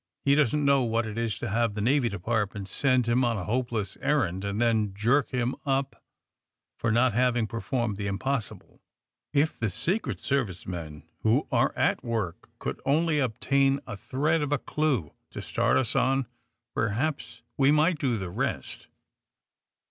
He doesn't know what it is to have the Navy Department send him on a hopeless errand, and then jerk him up for not having performed the impossible. If the Secret Service men who are at work could only obtain a thread of a clue to start us on, perhaps we might do the rest.